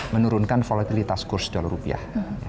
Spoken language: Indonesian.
menurunkan volatilitas kursus dolar rupiah